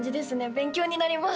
勉強になります